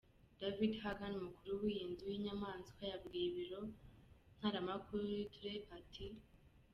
David Hagan, umukuru w'iyi nzu y'inyamaswa, yabwiye ibiro ntaramakuru Reuters ati:.